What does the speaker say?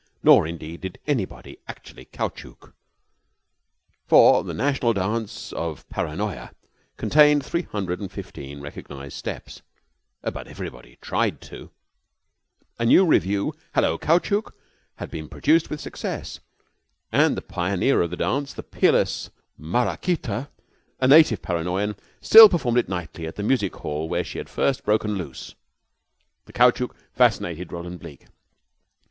Nor, indeed, did anybody actually caoutchouc, for the national dance of Paranoya contained three hundred and fifteen recognized steps; but everybody tried to. A new revue, "Hullo, Caoutchouc," had been produced with success. And the pioneer of the dance, the peerless Maraquita, a native Paranoyan, still performed it nightly at the music hall where she had first broken loose. The caoutchouc fascinated Roland Bleke.